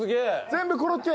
全部コロッケ！